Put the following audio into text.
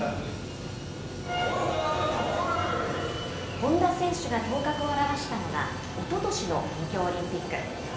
本多選手が頭角を現したのがおととしの東京オリンピック。